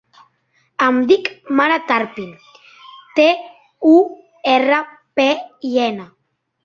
Em dic Mara Turpin: te, u, erra, pe, i, ena.